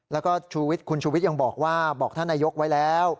แล้วก็คุณชูวิทย์ยังบอกว่าบอกท่านนายกไว้แล้ว